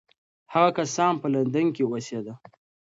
هغه کس په لندن کې اوسېده.